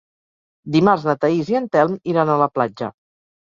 Dimarts na Thaís i en Telm iran a la platja.